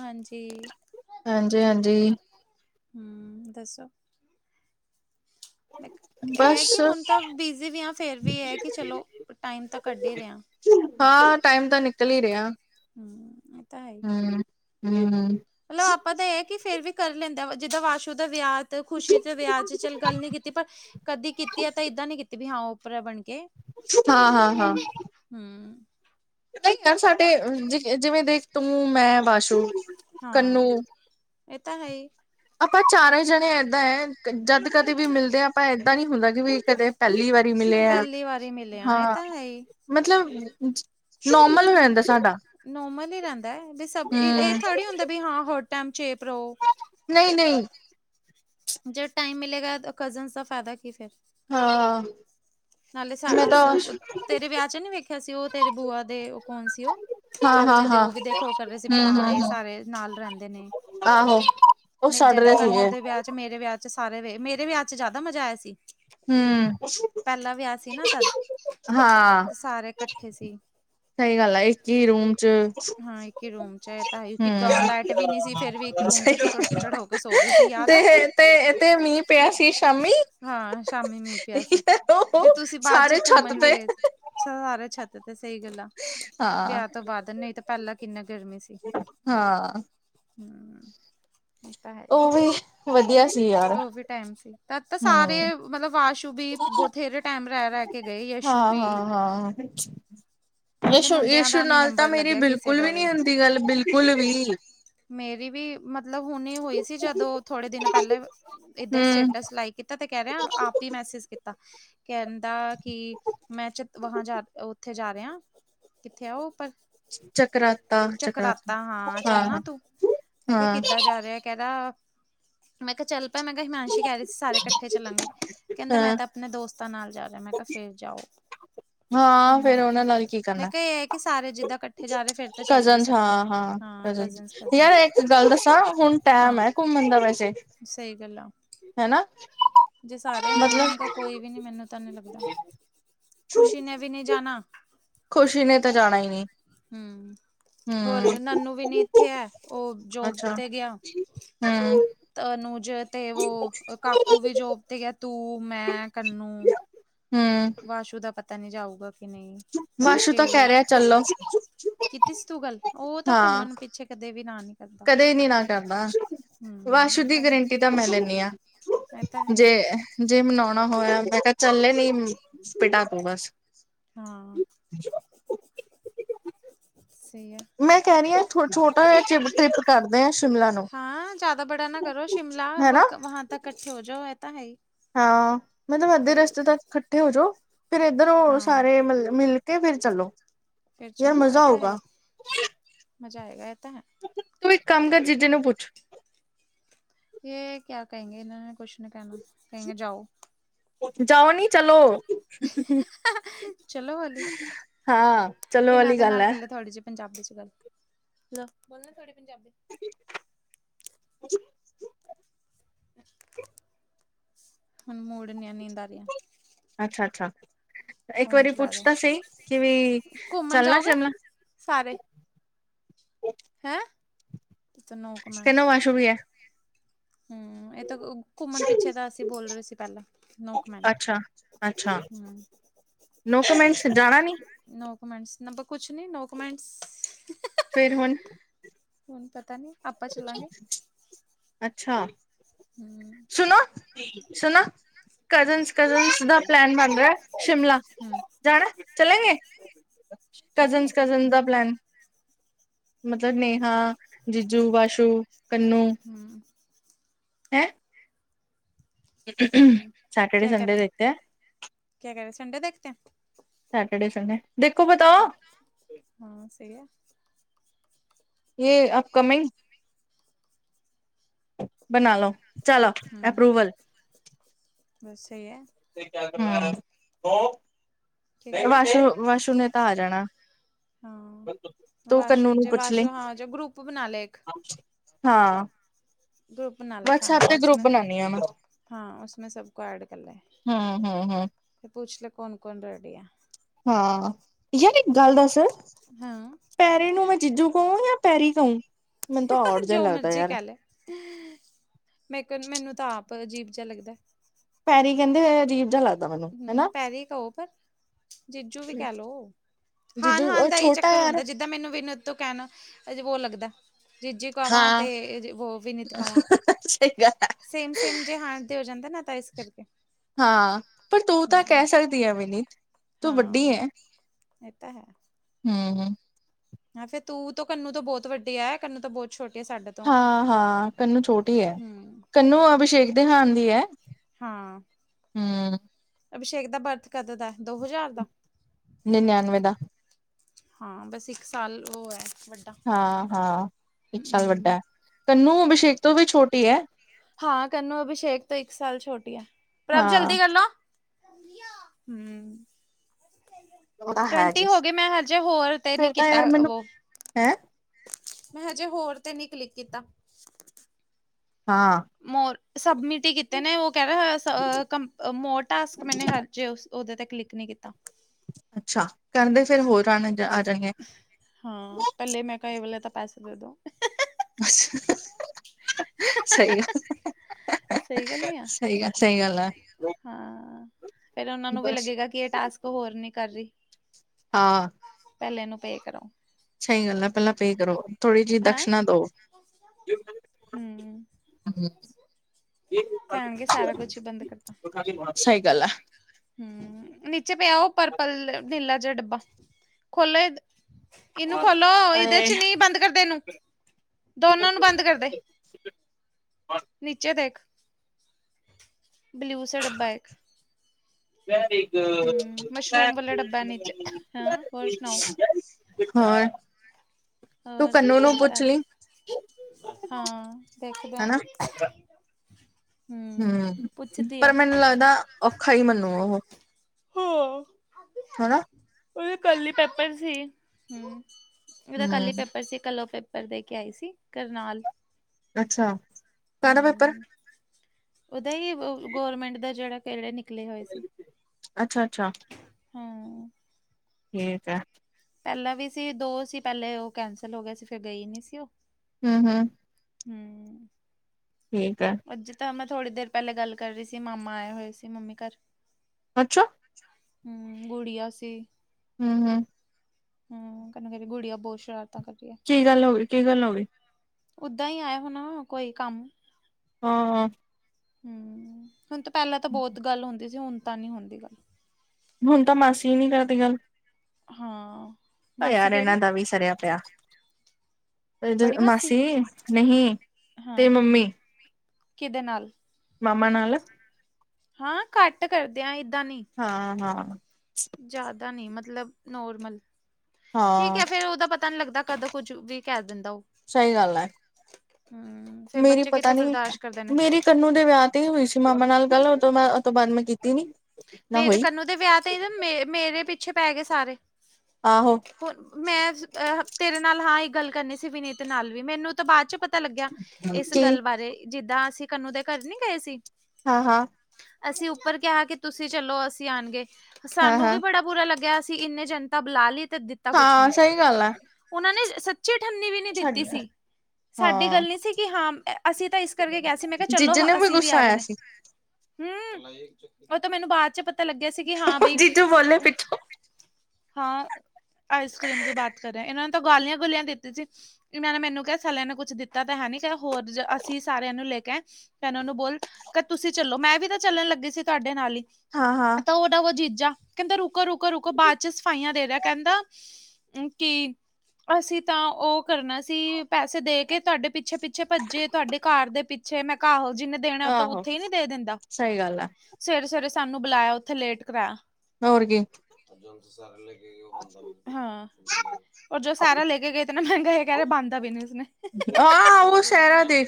ਹਾਂਜੀ। ਹਾਂਜੀ-ਹਾਂਜੀ ਹੂੰ, ਦੱਸੋ। ਏ ਐ ਬਸ ਕਿ ਹੁਣ ਤਾਂ ਬਿਜ਼ੀ ਵੀ ਆ ਫੇਰ ਵੀ ਐ, ਐ ਕਿ ਚਲੋ ਟਾਈਮ ਤਾਂ ਕੱਢ ਈ ਰਏ ਆਂ। ਹਾਂ ਟਾਈਮ ਤਾਂ ਨਿਕਲ ਈ ਰਿਆ। ਹੂੰ ਔ ਤਾਂ ਐ। ਹਮ ਹਮ ਹਮ ਮਤਲਬ ਆਪਾਂ ਤਾਂ ਇਹ ਕਿ ਫੇਰ ਵੀ ਕਰ ਲੈਂਦਾ ਜਿੱਦਾਂ ਵਾਸੂ ਦਾ ਵਿਆਹ ਖੁਸ਼ੀ ਦਾ ਵਿਆਹ ਅੱ ਚੱਲ ਗੱਲ ਨੀ ਕੀਤੀ ਪਰ ਕਦੀ ਕੀਤੀ ਆ ਤਾਂ ਏਦਾਂ ਨੀ ਕੀਤੀ ਵੀ ਹਾਂ ਉਹ ਉਪਰਾ ਬਣ ਕੇ ਹਾਂ ਹਾਂ ਹਾਂ ਹਮ ਨਹੀਂ ਯ ਸਾਡੇ ਜਿ ਜਿਵੇਂ ਦੇਖ ਤੂੰ ਮੈਂ ਬਾਸ਼ੂ ਹਾਂ ਇਹ ਤਾਂ ਹੈ ਆਪਾਂ ਚਾਰੇ ਜਣੇ ਇਏਦਾਂ ਹੈ ਜਦ ਕਦੇ ਵੀ ਮਿਲਦੇ ਹਾਂ ਆਪਾਂ ਇਏਦਾਂ ਨੀ ਹੁੰਦਾ ਕਿ ਵੀ ਕਦੇ ਪੱਲਲੀ ਵਾਰੀ ਮਿਲੇ ਆ ਪਹਿਲੀ ਵਾਰੀ ਮਿਲਿਆ ਇਹ ਹਾਂ ਤਾਂ ਹੈ ਹੀ ਮਤਲਬ ਨੋਰਮਲ ਹੋ ਜਾਂਦਾ ਸਾਡਾ ਨੋਰਮਲ ਹੀ ਰਹਿੰਦਾ ਬ ਸਭ ਹੂੰ ਇਹਥੋੜ੍ਹੀ ਹੁੰਦਾ ਹਾਂ ਹਰ ਟਮ ਚੇਪ ਰਹੋ ਨਹੀਂ ਨਹੀਂ ਜੇ ਟਾਈਮ ਮਿਲੇਗਾ ਕਜ਼ਨ ਦਾ ਫਾਇਦਾ ਕੀ ਫੇਿਰ ਹਾਂ ਨਾਲੇ ਮੈਂ ਤਾਂ ਤੇਰੇ ਵਿਆਹ ਚ ਨੀ ਵੇਖਿਆ ਸੀ ਉਹ ਤੇਰੇ ਬੂਆ ਦੇ ਉਹ ਕੌਣ ਸੀ ਉਹ ਚਾਚਾ ਦੇ ਹਾਂ-ਹਾਂ-ਹਾਂ ਉਹ ਵੀ ਦੇਖੋ ਕਰ ਰਹੇ ਸੀ ਵੀ ਹਾਂ ਇਹ ਹੂੰ-ਹੂੰ-ਹੂੰ ਸਾਰੇ ਨਾਲ ਰਹਿੰਦੇ ਨੇ ਆਹੋ ਉਹ ਮੇ ਛੱਡ ਜਿਦਾ ਰਹੇ ਕੰਨੂ ਸੀਗੇ ਦੇ ਵਿਆਹ ਮੇਰੇ ਵਿਆਹ ਚ ਸਾਰੇ ਮੇਰੇ ਵਿਆਹ ਚ ਜ਼ਿਆਦਾ ਮਜ਼ਾ ਆਇਆ ਸੀ ਹਮ ਪਹਿਲਾਂ ਵਿਆਹ ਸੀ ਨਾ ਤਦ ਹਾਂ ਤੇ ਸਾਰੇ ਇਕੱਠੇ ਸੀ ਸਹੀ ਗੱਲ ਆ ਇੱਕ ਹੀ ਰੂਮ ਚ ਹਾਂ ਇੱਕ ਹੀ ਰੂਮ ਚ ਇਹ ਤਾਂ ਕਿੱਦਾਂ ਹਮ ਲਾਈਟ ਵੀ ਨੀ ਸੀ ਫੇਰ ਵੀ ਇੱਕ ਰੂਮ ਚ ਕਿਚੜ ਪਿਚੜ ਹੋ ਕੇ ਸੋ ਰਹੇ ਸੀ ਯਾਦ ਹੈ ਤੇ ਤੇ ਤੇ ਮੀਂਹ ਪਿਆ ਸੀ ਸ਼ਾਮੀ ਹਾਂ ਸ਼ਾਮੀ ਮੀਂਹ ਪਿਆ ਸੀ ਉਹ ਫਰ ਤੁਸੀਂ ਬਾਅਦ ਚ ਸਾਰੇ ਛੱਤ ਘੁੰਮਣ ਵੀ ਤੇ ਗਏ ਸੀ ਸਾਰੇ ਛੱਤ ਤੇ ਸਹੀ ਗੱਲਾਂ ਹਾਂ ਵਿਆਹ ਤੋਂ ਬਾਅਦ ਨਹੀਂ ਤਾਂ ਪਹਿਲਾਂ ਕਿੰਨਾ ਗਰਮੀ ਸੀ ਹਾਂ ਹਮ ਇਹ ਤਾਂ ਹੈ ਹੀ ਉਹ ਵੀ ਵਧੀਆ ਸੀ ਯਾਰ ਤਾਂ ਤਾਂ ਹੂੰ ਸਾਰੇ ਮਤਲਬ ਵਾਸ਼ੂ ਵੀ ਬਥੇਰੇ ਟਾਈਮ ਰਹਿ ਰਹੇ ਹਾਂ ਹਾਂ ਹਾਂ ਹਲੇ ਇਹ ਇ ਮੁੰਡਿਆਂ ਸ਼ ਦਾ ਨੀ ਨਾਲਾਲ ਤਾਂ ਨੰਬਰ ਮੇਰੀ ਲੱਗਿਆ ਕਿਸੇ ਬਿਲਕੁਲ ਦਾ ਵੀ ਨਹੀਂੀ ਹੁੰਦੀ ਗੱਲ ਬਿਲਕੁਲ ਵੀ ਮੇਰੀ ਵੀ ਮਤਲਬ ਹੁਣ ਹੋਈ ਸੀ ਜਦੋਂ ਥੋੜੇ ਦਿਨ ਪਹਿਲੇ ਏਦਾਂ ਹੂੰ ਸਟੇਟਸ ਲਾਈਕ ਕੀਤਾ ਤੇ ਕਹਿ ਰਿਹਾ ਆਪ ਹੀ ਮੈਸੇਜ ਕੀਤਾ ਕਹਿੰਦਾ ਕਿ ਮੈਂ ਚ ਵ ਜਾ ਉੱਥੇ ਜਾ ਰਿਹਾ ਕਿੱਥੇ ਆਓ ਪਰ ਚਕਰਾਤਾ ਹਾਂ ਚੱਲਣਾ ਤੂੰ ਮੈਂ ਕਿਹਾ ਹਾਂ ਕਿੱਦਾਂ ਜਾ ਰਿਹਾ ਕਹਿਦਾ ਮੈਂ ਕਿਹਾ ਚੱਲ ਪਿਆ ਮੈਂ ਕਿਹਾ ਹਿਮਾਂਸ਼ੀ ਕਹਿ ਰਹੀ ਸੀ ਸਾਰੇ ਇਕੱਠੇ ਚੱਲਾਂਗੇ ਕਹਿੰਦੇ ਮੈਂ ਹਾਂ ਤਾਂ ਆਪਣੇ ਦੋਸਤਾਂ ਨਾਲ ਜਾ ਰਿਹਾ ਮੈਂ ਕਿਹਾ ਫਿਰ ਜਾਓ ਹਾਂ ਘੁੰਮਿਆ ਫੇਿਰ ਉਹਨਾਂ ਨਾਲ ਕੀ ਮੈਂ ਕਰਨਾ ਕਿਹਾ ਇਹ ਹੈ ਕਿ ਸਾਰੇ ਜਿੱਦਾਂ ਇਕੱਠੇ ਜਾ ਰਹੇ ਫਿਰ ਤਾਂ ਚੱਲ ਵੀ ਕਜਨ ਸਕਦੇ ਆ ਹਾਂ ਹਾਂ ਕਜਨ ਕਜ਼ਨਸ ਕਜ਼ਨ ਯਾਰ ਇੱਕ ਗੱਲ ਦੱਸਾਂ ਹੁਣ ਟਾਈਮ ਹਾਂ ਹੈ ਘੁੰਮਣ ਦਾ ਵੈਸੇ ਸਹੀ ਗੱਲ ਆ ਹਨਾ ਜੇ ਸਾਰੇ ਮੰਨਣ ਕ ਕੋਈ ਮਤਲਬ ਵੀ ਨੀ ਮੈਨੂੰ ਤਾਂ ਨਹੀਂੀ ਲੱਗਦਾ ਖ਼ੁਸ਼ੀ ਨੇ ਵੀ ਨਹੀਂੀ ਜਾਣਾ ਖੁਸ਼ੀ ਨੇ ਤਾਂ ਜਾਣਾ ਹੀ ਨਹੀਂ। ਹਮ ਹੋਰ ਹੂੰ ਸਾਨੂੰ ਵੀ ਨੀ ਇੱਥੇ ਹੈ ਉਹ ਜੋਬ ਤੇ ਗਿਆ। ਹਾਂ। ਤਨੂੰਜ ਤੇ ਵ ਕਾਕੂ ਵੀ ਜੋਬ ਤੇ ਗਿਆ ਤੂੰ ਮੈਂ ਕੰਨੂੰ। ਹਮ। ਵਾਸੂ ਦਾ ਪਤਾ ਨਹੀਂ ਜਾਊਗਾ ਕਿ ਨਹੀਂ ਵਾਸ਼ੂ ਤਾਂ ਕਹਿ ਅਭਿਸ਼ੇਕ ਰਿਹਾ ਚੱਲੋ ਕੀਤੀ ਸੀ ਤੂੰ ਗੱਲ ਉਹ ਤਾਂ ਹਾਂ ਘੁੰਮਨ ਪਿੱਛੇ। ਕਦੇ ਵੀ ਨ ਨੀ ਕਰਦਾ। ਕਦੇ ਨੀ ਨਾ ਕਰਨਾ ਹਮ ਵਾਸ਼ੂ ਇਹ ਦੀ ਹੈ ਗਰੰਟੀ ਤਾਂ ਮੈਂ ਲੈਂਦੀ ਹਾਂ ਇਹ ਤਾਂ ਹੈ ਹੀ। ਜੇ। ਜੇ ਮਨਾਉਣਾ ਹੋਇਆ ਮੈਂ ਕਿਹਾ ਚੱਲੇ ਨੀ ਪਿਟਾਕੂ ਬਸ। ਹਾਂ ਸਹੀ ਏ ਮੈਂ ਕਹਿ ਰਹੀ ਹਾਂ ਛੋਟਾ ਜਿਮ ਤੇ। ਕਰਦੇ ਹ ਸ਼ਿਮ। ਹਾਂ ਜ਼ਆਦਾ ਬੜਾ ਨਾ ਕਰੋ ਸ਼ਿਮਲਾ ਹਨਾ ਵ ਵਾਹ ਤੱਕ ਕੱਠੇ ਹੋ ਜੋ ਐ ਤਾਂ ਹੈ ਹੀ। ਹਾਂ ਮਤਲਬ ਅੱਧੇ ਰਸਤੇ ਤੱਕਕੱਠੇ ਹੋਜਓ ਫੇਰ ਇੱਧਰੋਂ ਸਾਰੇ ਮਲ ਮਿਲ ਕਿ। ਤੇ ਫਿਰ ਚਲੋ ਯਾਰ ਮਜ਼ਾ ਆਊਗਾ। ਮਜ਼ਾ ਆਏਗਾ ਇ ਤਾਂ ਹੈ। ਤੂੰ ਇੱਕ ਕੰਮ ਕਰ ਜੀਜੇ ਨੂੰ ਪੁੱਛ। ਇਹ ਕਿਆ ਕਹੇਗੇ ਇਹਨਾਂ ਨੇ ਕੁਛ ਨੀ ਕਿਹਨਾ ਕਹੇਗੇ ਜਾਓ। ਜਾਓ ਨੀ ਚਲੋ। ਚਲੋ ਵਾਲੀ ਹਾਂ ਚਲੋ ਇਹਨਾਂ ਵਾਲੀ ਦੇ ਗੱਲ ਨਾਲ ਐ। ਕੱਲੇ ਥੋੜੀ ਜਿਹੀ ਪੰਜਾਬੀ ਚ ਗੱਲ ਬੋਲਣਾ ਥੋੜੀ ਪੰਜਾਬੀ। [unintelligible] ਹੁਨ ਮੁੂੜ ਨਿ ਐ ਨੀਂਦ ਆ ਰਿਹਾ ਅੱਛਾ ਅੱਛਾ ਇੱਕ ਫੋਨ ਵਾਰੀ ਚਲਾ ਪੁੱਛਦਾ ਰਹੇ ਸੀ ਕਿ ਵੀ ਘੁੰਮਣ ਚੱਲਨਾ ਜਾਓਗੇ ਸ਼ਿਮਲਾ ਸਾਰੇ ਹੈਂ [unintelligible] ਕਹਿੰਦਾ ਵਾਸ਼ੂ ਵੀ ਹੈ ਹਮ ਇਹ ਤਾਂ ਘੁੰਮਨ ਪਿੱਛੇ ਤਾਂ ਅਸੀਂ ਬੋਲ ਰਹੇ ਸੀ ਪਹਿਲਾਂ ਨੋ ਕਮੈੰਟ ਅੱਛਾ ਨੋਕੂਮੈਂਟਸ ਜਾਣਾ ਨੀ ਨੋ ਕਮੈਂਟਸ ਕੁਛ ਨੀ ਨੋਕੂਮੈਂਟਸ ਫੇਰ ਹੁਨ। ਹੁਣ ਪਤਾ ਨੀ ਆਪਾਂ ਚੱਲਾਂਗੇ। ਅੱਛਾ। [unintelligible] ਸੁਨੋ ਸੁਨੋ ਕਜ਼ਨਸ ਕਜ਼ਨਸ ਦਾ ਪਲੈਨ ਬਨ ਰਿਹਾ ਸ਼ਿਮਲਾ ਹੂੰ ਜਾਣਾ ਚਲੇ ਗਗੇ ਚਲੇਂਗੇ ਕਜ਼ਨਸ ਕਜ਼ਨ ਦਾ ਪਲੈਨ ਮਤਲਬ ਨੇਹਾ ਜੀਜੂ ਵਾਸ਼ੂ ਕਨੂੰ ਹੂੰ ਹੈਂ ਹੂੰ [unintelligible] ਸੈਟਟਰਡੇ ਸੰਡੇ ਦੇਖਤੇ ਸੈਟਰਡੇ ਸੰਡੇ ਦੇਖੋ ਬਤਾ ਹਾਂ ਸਹੀ ਐ ਯਹ ਅਪਕਮਿੰਗ ਬਨਾ ਲੋ ਚਲੋ ਅਪਰੂਵਲ ਬਸ ਸਹੀ ਐ ਹਮ ਵਾਸ਼ੂ ਵਾਸ਼ੂ ਨੇ ਤਾ ਆ ਜਾਣਾ ਤੂੰ ਕੰਨੂੰ ਨੂੰ ਪੁੱਛ ਲੀ ਹਾਂ ਵਟਸਐਪ ਤੇ ਗਰੁੱਪ ਬਨਾਨੀ ਆ ਮੈਂ। ਹਾਂ ਉਸਮੇ ਸਭ ਕੋ ਐਡ ਕਰ ਲੇ। ਹਮ ਹਮ ਹਮ। ਤੇ ਪੁੱਛਲੇ ਕੋੌਨ ਕੌਨ ਰੈਡੀ ਐ। ਹਾਂ ਯਾਰ ਇਕ ਗੱਲ ਦਾਸ ਪੈਰੇ ਨੂੰ ਮੈਂ ਜੀਜੂ ਕਹੂੰ ਜਾਂ ਪੈਰੀ ਕਹੂੰ ਮੈਨੂੰ ਤਾਂ ਔਰ ਜਿਹਾ ਲੱਗਦਾ ਯਾਰ ਮੈਂ ਮੈਨੂੰ ਤਾਂ ਆਪ ਅਜੀਬ ਜਿਹਾ ਲੱਗਦਾ ਪੈਰੀ ਕਹਿੰਦੇ ਹੋਏ ਅਜੀਬ ਜਾ ਲੱਗ ਹਮ ਪੈਰੇ ਕੋ ਪਰ ਜੀਜੂ ਵੀ ਕਹਿ ਲਓ ਹਾਨ ਜੀਜੂ ਹਾਨ ਉਹ ਦਾ ਇਹ ਛੋਟਾ ਚੱਕਰ ਹੁੰਦਾ ਯਾਰ ਜ ਤਾਂ ਮੈਨੂੰ ਵੀ ਉਤੋਂ ਕਹਿਣਾ ਅਜੇ ਬੋ ਲੱਗਦਾ ਜੀਜੂ ਕਵਾਂ ਹਾਂ ਤੇ ਵਿਨੀਤ ਕਵਾਂ ਸਹੀ ਗੱਲ ਸੇਮ ਸੇਮ ਜੇ ਹਾਂਨ ਦੇ ਹੋ ਜਾਂਦੇ ਨਾ ਤਾਂ ਇਸ ਕਰਕੇ ਹਾਂ ਪਰ ਤੂੰ ਤਾਂ ਹਮ ਕਹਿ ਸਕਦੀ ਆ ਵਿਨੀਤ ਤੂੰ ਵੱਡੀ ਹਾਂ ਹੈ ਇਹ ਤਾਂ ਹੈ ਹਮ ਹ ਫੇਰ ਤੂੰ ਤਾਂ ਕੰਨੂੰ ਤੋਂ ਬਹੁਤ ਵੱਡੇ ਆਏ ਕੰਨੂੰ ਤਾਂ ਬਹੁਤ ਛੋਟੇ ਸਾਡੇ ਤੋਂ ਹਾਂ ਹਾਂ ਕੰਨੂੰ ਛੋਟੀ ਹੈ ਹਮ ਕੰਨੂੰ ਅਭਿਸ਼ੇਕ ਦੇ ਹਾਨ ਦੀ ਹੈ ਹਾਂ ਹਮ ਅਭਿਸ਼ੇਕ ਦਾ ਬਰਥ ਕਦ ਦਾ ਦੋ ਹਜ਼ਾਰ ਦਾ ਨਨਿਆਨਵੇ ਦਾ ਹਾਂ ਬਸ ਇੱਕ ਸਾਲ ਉਹ ਹੈ ਵੱਡਾ ਹਾਂ ਹਾਂ ਇੱਕ ਸਾਲ ਵੱਡਾ ਹੈ ਕੰਨੂੰ ਅਭਿਸ਼ੇਕ ਤੋਂ ਵੀ ਛੋਟੀ ਹੈ ਹਾਂ ਕੰਨੂੰ ਅਭਿਸ਼ੇਕ ਤੋਂ ਇੱਕ ਸਾਲ ਛੋਟੀ ਹੈ ਪਰਭ ਹਾਂ ਜਲਦੀ ਕਰ ਲੋ ਹਮ ਤਾਂ ਹੈ ਜੀ ਟਵੰਟੀ ਹੋ ਗਏ ਮੈਂ ਹਜੇ ਹੋਰ ਤੇ ਨੀ ਫਰ ਤਾਂ ਯਾਰ ਕੀਤਾ ਮੈਨੂੰ ਉਹ ਹੈਂ [unintelligible] ਮੈਂ ਹਜੇ ਹੋਰ ਤੇ ਨਹੀ ਕਲਿੱਕ ਕੀਤਾ ਹਾਂ ਮੋਰ ਸਬਮਿਟ ਕੀਤੇ ਨੇ ਉਹ ਕਹਿ ਮੋ ਟਸ ਮਨ ਹੇ ਉਹਦੇ ਤੇ ਕਲਿੱਕ ਨੀ ਕੀਤਾ ਅੱਛਾ ਕਰਦੇ ਫਿਰ ਹੋਰ ਆ ਆ ਜਾਣਗੇ ਹਾਂ ਪੱਲੇ ਮੈਂ ਘਏ ਵੇਲੇ ਤਾਂ ਪੈਸੇ ਦੇ ਦਉ ਅੱਛ ਸਹੀ ਗੱਲ ਸਹੀ ਗੱਲ ਨ ਆ ਸਹੀ ਗੱਲ ਸਹੀ ਗੱਲ ਐ ਹਾਂ ਫਿਰ ਉਹਨਾ ਨੂੰ ਵੀ ਬਸ ਲੱਗੇਗਾ ਕਿ ਇਹ ਟਾਸਕ ਹੋਰ ਨੀ ਕਰ ਰਹੀ ਹਾਂ ਪਹਿਲੇ ਏਨੂੰ ਪੇ ਕਰੋ ਸਹੀ ਗੱਲ ਹੈ ਪਹਿਲਾਂ ਪੇ ਕਰੋ ਥੋੜ੍ਹੀ ਜਿਹੀ ਹੈਂ ਦਕਸ਼ਨਾ ਦੋ। ਹਮ ਕਰਨਣਗੇ ਸਾਰਾ ਕੁਛ ਬੰਦ ਕਰਦਾ ਸਹੀ ਗੱਲ ਹਮ ਨੀਚੇ ਪਿਆ ਉਹ ਪਰਪਲ ਨੀਲਾ ਜਿਹਾ ਡੱਬਾ ਖੋਲੋ ਇਹਨੂੰ ਖੋਲੋ ਇਹਦੇ ਐ ਚ ਨੀ ਬੰਦ ਕਰਦੇ ਇਹਨੂੰ ਦੋਨਾਂ ਨੂੰ ਬੰਦ ਕਰਦੇ ਨੀਚੇ ਦੇਖ ਬਲਿਊ ਸ ਡੱਬਾ ਇੱਕ ਹੂੰ ਮਸ਼ਰੂਮ ਵਾਲਾ ਡੱਬਾ ਨੀਚੇ ਹਾਂ ਹੋਰ ਸੁਣਾਓ [unintelligible] ਹੋਰ ਤੂੰ ਹੋਰ ਕੰਨੂੰ ਨੂੰ ਨਵੀ ਪੁੱਛ ਤਾਜੀ ਲਈ ਹਾਂ ਦੇਖਦਆ ਹਮ ਪਰ ਆ ਮੈਨੂੰ ਲੱਗਦਾ ਔਖਾ ਹੀ ਮੈਨੂੰ ਉਹ ਹਾਂ ਹਨਾ ਉਹਦੇ ਕੱਲੀ ਪੇਪਰ ਸੀ ਹਮ ਕੱਲੀ ਹੂੰ ਪੇਪਰ ਸੀ ਕੱਲ ਉਹ ਪੇਪਰ ਦੇ ਕੇ ਆਈ ਸੀ ਕਰਨਾਲ ਅੱਛਾ ਕਦਾ ਪੇਪਰ? ਓਦਾ ਹੀ ਗੋੌਰਮੈਂਟ ਦਾ ਜਿਹੜਾ ਕਿੜੇ ਨਿਕਲੇ ਹੋਏ ਸੀ। ਅੱਛਾ-ਅੱਛਾ ਹਾਂ ਠੀਕ ਹੈ। ਪਹਿਲਾਂ ਵੀ ਸੀ ਦੋ ਸੀ ਪਹਿਲੇ ਉਹ ਕੈਂਸਲ ਹੋ ਗਿਆ ਸੀ। ਫਿਰ ਗਈ ਨਹੀਂ ਸੀ ਉਹ। ਹਮ-ਹਮ। ਹਮ। ਠੀਕ ਏ। ਅੱਜ ਤਾਂ ਮੈਂ ਥੋੜ੍ਹੀ ਦੇਰ ਪਹਿਲੇ ਗੱਲ ਕਰ ਰਹੀ ਸੀ ਮਾਮਾ ਆਏ ਹੋਏ ਸੀ ਮੰਮੀ ਘਰ ਅੱਛਾ। ਹਮ ਗੁੜੀਆ ਸੀ। ਹਮ - ਹਮ ਹਮ ਕਹਿੰ ਕਦੀ ਗੁੜੀੀਆਂ ਬਹੁਤ ਸ਼ਰਾਰਤਾਂ ਕਰੀਏ। ਕੀ ਗੱਲ ਹੋਵੇ -ਕੀ ਗੱਲ ਹੋਵੇ ਉਓਦਾਂ ਹੀ ਆਇਆ ਹੋਣਾ ਕੋਈ ਕੰਮ। ਹਾਂ -। ਹਮ ਹੁਣ ਤਾਂ ਪਹਿਲਾਂ ਤਾਂ ਬਹੁਤ ਗੱਲ ਹੁੰਦੀ ਸੀ। ਹੁਣ ਤਾਂ ਨੀ ਹੁੰਦੀ ਗੱਲ। ਹੁਣ ਤਾਂ ਮਾਸੀ ਨੀ ਕਰਦੀ ਗੱਲ। ਹਾਂ। ਮਾਸੀ ਯਾਰ ਇਹਨਾਂ ਕਿਹੜੀ ਦਾ ਵੀ ਸਰਿਆ ਪਿਆ। ਮਾਸੀ ਨਹੀਂ ਤੇ ਹਾਂ ਮੰਮੀ ਕਿਹਦੇ ਨਾਲ? ਮਮਾ ਨਾਲ -। ਹਾਂ ਘੱਟ ਕਰਦੇਿਆਂ ਏਦਾਂ ਨ ਹਾਂ-ਹਾਂ। ਜ਼ਿਆਦਾ ਨੀ ਮਤਲਬ ਨੋਰਮਲ ਠੀਕ ਹਾਂ ਹੈ। ਫੇਰ ਉਹਦਾ ਪਤਾ ਨ ਲੱਗਦਾ ਕਦੋਂ ਕੁੱਝ ਵੀ ਕਹਿ ਦਿੰਦਾ ਉਹ। ਸਹੀ ਗੱਲ ਹੈ। ਹੂੰ, ਫੇਰ ਮੇਰੀ ਬੱਚੇ ਪਤਾ ਕਿੱਥੇ ਨੀ ਬਰਦਾਸ਼ਤ ਕਰਦੇ ਨੇ ਮੇਰੀ ਤਨੂੰ ਦੇ ਵਿਆਹ ਤੇ ਹੀ ਹੋਈ ਸੀ ਮਾਮਾ ਨਾਲ ਗੱਲ। ਉਹ ਤੋਂ ਉਹ ਤੋਂ ਬਾਅਦ ਮੈਂ ਕੀਤੀ ਨੀ। ਨਾ ਮੇਰੇ ਹੋਈ ਕੰਨੂੰ ਦੇ ਵਿਆਹ ਤੇ ਹੀ ਨਾ ਮੇ ਮੇਰੇ ਪਿੱਛੇ ਪੈ ਗਏ ਸਾਰੇ। ਆਹੋ। ਹੁਣ ਮੈਂ ਅਹ ਤੇਰੇ ਨਾਲ ਹਾਂ ਹੀ ਗੱਲ ਕਰਨੀ ਸੀ ਵਿਨੀਤ ਨਾਲ ਵੀ ਮੈਨੂੰ ਤਾਂ ਬਾਅਦ ਚ ਪਤਾ ਪਤਾ ਲੱਗਿਆ ਇਸ ਕੀ ਗੱਲ ਬਾਰੇ ਜਿੱਦਾਂ ਅਸੀਂ ਕੰਨੂੰ ਦੇ ਘਰ ਨਹੀ ਗਏ ਸੀ। ਹਾਂ- ਹਾਂ। ਅਸੀਂ ਉੱਪਰ ਕਿਹਾ ਕਿ ਤੁਸੀਂ ਚਲੋ ਅਸੀਂ ਆਉਣਗੇ ਹਾਂ-ਹਾਂ, ਸਾਨੂੰ ਵੀ ਹਾਂ ਬੜਾ ਪੂਰਾ ਲੱਗਿਆ ਅਸੀਂ ਇੰਨੇ ਜਨਤਾ ਬੁਲਾ ਲਈ ਤੇ ਦਿੱ ਤਾ ਕੁਛ ਹਾਂ ਹਾਂ ਨੀ ਸਹੀ ਗੱਲ ਐ ਉਹਨਾਂ ਨੇ ਸੱਚੀ ਠੰਨੀ ਵੀ ਨੀ ਛੱਡ ਦਿੱਤੀ ਸੀ। ਸਾਡੀ ਹਾਂ ਗੱਲ ਨਹੀ ਸੀ ਕਿ ਹਾਂ। ਅਸੀਂ ਤਾਂ ਇਸ ਕਰਕੇ ਗਿਆ ਸੀ। ਮੈਂ ਕਿਹਾ ਚਲੋ ਜੀਜੇ ਹ ਨੂੰ ਅਸੀਂ ਵੀ ਗੁੱਸਾ ਆ ਰਹੇ ਆਇਆ ਨੇ। ਸੀ, ਹਮ। ਉਹ ਤਾਂ ਮੈਨੂੰ ਬਾਅਦ ਚ ਪਤਾ ਲੱਗਿਆ ਸੀ ਕਿ ਹਾਂ ਬਈ ਜੀਜੂ ਬੋਲੇ ਪਿੱਛੋਂ ਹਾਂ, ਆਈਸ ਕਰ੍ਰੀਮ ਦੀ ਬਾਤ ਕਰ ਰਿਹਾ। ਇਹਨਾਂ ਨੇ ਤਾਂ ਗਾਲੀਆਂ ਗੁਲੀਆਂ ਦਿੱਤੀ ਸੀ। ਇਹਨਾਂ ਨੇ ਮੈਨੂੰ ਕ ਕਿਹਾ ਸਲਿਆਂ ਨੂੰ ਕੁੱਛ ਦਿੱਤਾ ਤਾਂ ਹੈ। ਨੀ ਕ ਹੋਰ ਅਸੀਂ ਸਾਰਿਆਂ ਨੂੰ ਲੈ ਕੇ ਕਹਿੰਦੇ ਉਹਨੂੰ ਬੋਲ ਕ ਤੁਸੀਂ ਚੱਲੋ ਮੈਂ ਵੀ ਤਾਂ ਚੱਲਣ ਲੱਗੀ ਸੀ ਤੁਹਾਡੇ ਨਾਲ ਹੀ। ਹਾਂ-ਹਾਂ। ਤਾਂ, ਉਹ ਤਾ ਉਹ ਜੀਜਾ ਕਹਿੰਦਾ ਰੁਕੋ-ਰੁਕੋ-ਰੁਕੋ ਬਾਅਦ ਚ ਸਫਾਈਆਂ ਦੇ ਰਿਹਾ ਕਹਿੰਦਾ ਕੀ? ਅਸੀਂ ਤਾਂ ਉਹ ਕਰਨਾ ਸੀ। ਪੈਸੇ ਦੇ ਕੇ ਤੁਹਾਡੇ ਪਿੱਛੇ-ਪਿੱਛੇ ਭੱਜੇ ਤੁਹਾਡੇ ਕਾਰ ਦੇ ਪੀ ਛੇ ਮੈਂ ਘਾਹੋ ਜਿਹੇ ਆਹਹੋ ਸਹੀ ਗੱਲ ਆ। ਸਵੇਰੇ-ਸਵੇਰੇ ਸਾਨੂੰ ਬੁਲਾਇਆ ਉੱਥੇ ਲੇਟ ਕਰਵਾਇਆ। ਹੋਰਗੀ। ਅਜਤ ਸਾਰੇ ਲ ਕੇ ਬੰ ਰ ਜੋ ਸਾਰਾ ਲੈ ਕੇ ਗਏ ਇਤਨਾ ਮਹਿੰਗਾ ਹੈ, ਕਹਿ ਰਹੇ ਬਾਂਧਦਾ ਵੀ ਨ ਉਸਨੇ,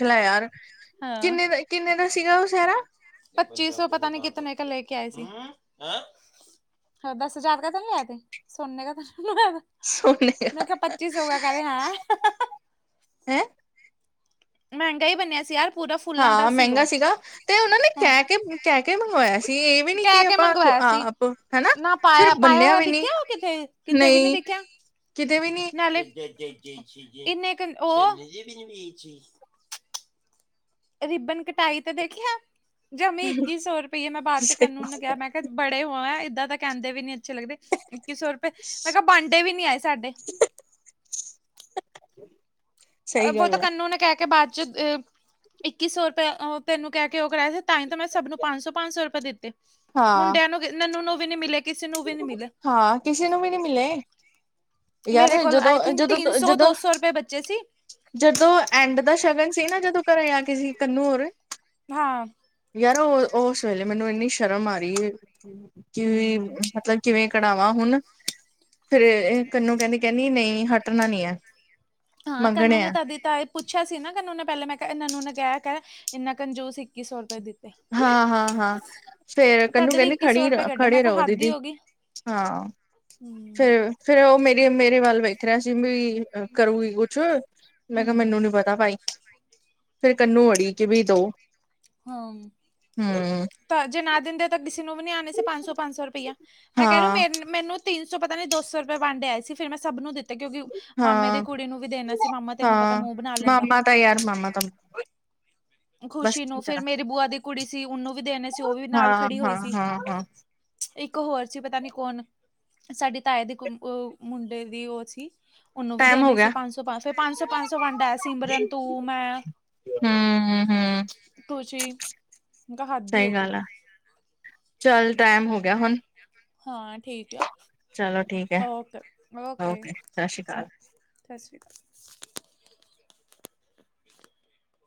ਲ ਯਾਰ ਕਿੰਨੇ ਦਾ ਕਿੰਨੇ ਦਾ ਸੀਗਾ ਉਹ ਸਹਿਾਰ। ਪੱਚੀ ਸੌ, ਪਤਾ ਨੀ ਕਿਤੋਂ ਨੇ ਲੈ ਕੇ ਆਏ ਸੀ। ਦਸ ਹਜ਼ਾਰ, ਕ ਤਾਂ ਨ ਲੈ ਤੇ ਸੋਨੇ ਕ ਲੈ, ਸੋਨੇ ਮੈਂ ਦਾ ਕਿਹਾ, ਪੱਚੀ ਸੌ, ਗ ਕਹਿ ਰਿ ਹ, ਹੈਂ ਮਹਿੰਗਾ ਹੀ ਬਣਨਿਆ ਸੀ, ਯਾਰ ਪੂਰਾ ਫੁੱਲਾਂ ਦਾ ਹਾਂ ਸੀ ਉਹ ਮਹਿੰਗਾ ਸੀਗਾ ਤੇ, ਉਹਨਾਂ ਨੇ ਹਾਂ ਕਹਿ ਕੇ ਕਹਿ ਕੇ ਮੰਗਵਾਇਆ ਸੀ। ਇਹ ਵੀ ਨੀ ਕਹਿ ਕੀ ਕੇ ਆਪਾਂ ਮੰਗਵਾਇਆ ਸੀ ਆਪ ਹਨਾ ਫਿਰ ਬੰਨਿਆ ਵੀ ਨੀ। ਕਿੱਥੇ, ਵੀ ਨੀ ਨਹੀਂ ਦੇਖਿਆ। ਕਿਤੇ ਵੀ ਨਹੀਂ। ਕਿੰਨੇ, ਕੁ ਉਹ ਰਿਬਨ ਕਟਾਈ ਤੇ ਦੇਖਿਆ ਜ ਮ ਇੱਕੀ ਸੌ ਰੁਪਈਏ ਮੈਂ ਬਾਅਦ ਚ ਕਰਨਨ ਕਿਹਾ ਮੈਂ। ਬੜੇ ਹੋ ਆ ਇਏਦਾਂ ਤਾਂ ਕਹਿੰਦੇ ਵੀ ਨੀ ਅੱਛੇ ਲੱਗਦੇ ਇੱਕੀ ਸੌ ਰੁਪਏ ਮੈਂ ਕਿਹਾ ਬਾਂਡੇ ਵੀ ਨੀ ਆਏ [inaudible] ਸਹੀ ਬਹੁ ਗੱਲ ਤਾਂ ਹੈ ਕੰਨੂ ਨੇ ਕਹਿ ਕੇ ਬਾਅਦ ਚ ਅ ਇੱਕੀ ਸੌ ਰੁਪਏ, ਤੈਨੂੰ ਕਹਿ ਕੇ ਉਹ ਕਰਾਇਆ ਸੀ, ਤਾਂ ਹੀ ਤਾਂ ਮੈਂ ਸਭ ਨੂੰ, ਪੰਜ ਸੌ ਪੰਜ ਸੌ ਰੁਪਏ ਦਿੱਤੇ। ਹਾਂ ਮੁੰਡਿਆਂ ਨੂੰ ਨਨੂੰ ਨੂੰ ਵੀ ਨੀ ਮਿਲੇ ਕਿਸੇ ਨੂੰ ਵੀ ਨੀ ਮਿਲੇ। ਹਾਂ ਕਿਸੇ ਨੂੰ ਵੀ ਨੀ ਮਿਲੇ। ਮੇਰੇ ਯਾਰ ਕੋਲ ਜਦੋਂ ਆਈ ਥਿੰਕ ਜਦੋਂ ਤਿੰਨ ਸੌ ਦੋ ਜਦੋਂ ਸੌ ਰੁਪਏ ਬੱਚੇ ਸੀ ਜਦੋਂ ਐਂਡ ਦਾ ਸ਼ਗਨ ਸੀ ਨਾ ਜਦੋਂ ਘਰੇ ਆ ਕੇ ਸੀ ਕੰਨੂੰ ਹੋਰ ਹਾਂ, ਯਾਰ ਉਹ ਉਸ ਵੇਲੇ ਮੈਨੂੰ ਇੰਨੀ ਸ਼ਰਮ ਆ ਰਹੀ ਕਿ ਹਮ ਮਤਲਬ ਕਿਿਵੇਂ ਕਢਾਵਾਂ ਹੁਣ ਫੇਿਰ ਕੰਨੂੰ ਕਹਿੰਦੀ ਕਹਿੰਦੀ ਨਹੀਂ ਹਟਣਾ ਨੀ ਹੈ। ਹਾਂ ਮੰਗਣੇ ਕਾਨੂੰਨਾਂ ਆ ਤਦੀ ਤਏ ਪੁੱਛਿਆ ਸੀ ਨਾ ਕਾਨਨੂੰ ਨੇ ਪਹਿਲਲੇ ਮੈਂ ਕਿਹਾ ਇਹਨੂੰ ਨੇ ਕਿਹਾ ਕ ਇੰਨਾ ਕੰਜੂਸ ਇੱਕੀ ਸੌ ਰੁਪਏ ਦਿੱਤੀ। ਹਾਂ ਹਾਂ ਹਾਂ, ਫੇਰ ਤਦ ਕਹਨੂੰ ਵੀ ਕਹਿੰਦੀ ਇੱਕੀ ਸੌ ਖੜੀ ਰੁਪਏ ਕੱਢੇ ਮੈਂ ਖੜੇ ਰਹੋ ਕਿਹਾ ਹੱਦ ਹੀ ਦੀਦੀ। ਹੋ ਗਈ। ਹਾਂ, ਹੂੰ। ਫੇਿਰ ਫੇਰ, ਉਹ ਮੇਰੀ ਮੇਰੇ ਵੱਲ ਵੇਖ ਰਿਹਾ ਸੀ ਵੀ ਕਰੂਗੀ ਕੁਛ। ਮੈਂ ਕਿਹਾ ਹੂੰ, ਮੈਨੂੰ ਨੀ ਪਤਾ, ਭਾਈ ਫੇਰ ਕੰਨੂੰ ਅੜੀ ਕਿ ਵੀ ਦੋ। ਹਾਂ ਹਮ ਤਾਂ ਜੇ ਨਾ ਦਿੰਦੇ ਤਾਂ ਕਿਸੇ ਨੂੰ ਵੀ ਨੀ ਆਉਣੇ ਸੀ। ਪੰਜ ਸੌ ਪੰਜ ਸੌ ਰੁਪਇਆ, ਮੈਂ ਕਹਿ ਰ ਹਾਂ ਮੇਰੇ। ਮੈਨੂੰ ਤਿੰਨ ਸ ਪਤਾ ਨਹੀਂ ਦੋ ਸੌ ਰੁਪਏ ਵੰਡ ਆਏ ਸੀ ਫਿਰ ਮੈਂ ਸਭ ਨੂੰ ਦਿੱਤਾ। ਤੇ ਕਿਉਂਕਿ ਮਾਮੇ ਦੀ ਹਾਂ ਕੁੜੀ ਨੂੰ ਵੀ ਦੇਣਾ ਸੀ। ਮਾਮਾ ਤੈਨੂੰ ਪਤਾ ਹਾਂ ਮੂੰਹ ਬਣਾ ਲੈਂਦਾ। ਮਾਮਾ ਯਾਰ ਮਾਮਾ ਤ ਖੁਸ਼ੀ ਨੂੰ ਫਿਰ ਮੇਰੀ ਬੂਆ ਦੀ ਕੁੜੀ ਸੀ ਉਹਨੂੰ ਵੀ ਦੇਣੇ ਸੀ ਉਹ ਵੀ ਨਾਲ ਹਾਂ ਖੜੀ ਹੋਈ ਹਾਂ ਸੀ ਹਾਂ ਹਾਂ ਇੱਕ ਹੋਰ ਸੀ ਪਤਾ ਨੀ ਕੌਣ ਸਾਡੇ ਤਾਏ ਦੇ ਮੁੰਡੇ ਦੀ ਉਹ ਸੀ। ਉਹਨੂੰ ਵੀ ਟਾਈਮ ਹੋ ਦੇਣੇ ਸੀ। ਗਿਆ ਪੰਜ ਸੌ ਪੰਜ, ਫੇਿਰ ਪੰਜ ਸੌ ਪੰਜ, ਸੌ ਵੰਡਾ ਸਿਮਰਨ ਤੂੰ ਮੈਂ। ਹਾਂ, ਤੁਸੀੀ ਕ ਹੱਥ ਦੀ ਹੋ ਸਹੀ ਗਈ। ਗੱਲ ਆ ਚੱਲ, ਟਾਈਮ ਹੋ ਗਿਆ ਹੁਣ, ਹਾਂ, ਠੀਕ ਆ। ਚਲੋ ਠੀਕ ਹੈ ਓਕੇ ਓਕੇ ਸਤਿ ਸ਼੍ਰੀ ਅਕਾਲ ਬਾਏ, ਸਤਿ ਸ਼੍ਰੀ ਅਕਾਲ